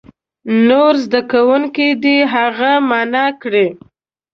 نور زده کوونکي دې هغه معنا کړي.